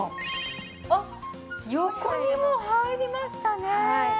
あっ横にも入りましたね！